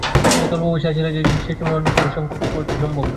এত অল্প বয়সে আসিয়াছিলেন যে, সে সময়ে অন্য পুরুষ-সংসর্গ সম্ভবে না।